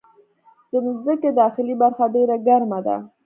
د مځکې داخلي برخه ډېره ګرمه ده.